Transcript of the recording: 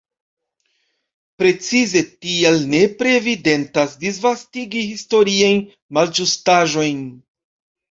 Precize tial nepre evitendas disvastigi historiajn malĝustaĵojn.